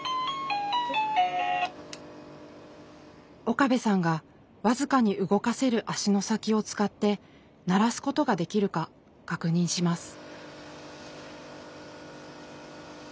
岡部さんが僅かに動かせる足の先を使って鳴らすことができるか確認します。